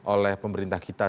oleh pemerintah kita